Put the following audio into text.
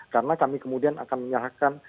karena kami kemudian akan menyerahkan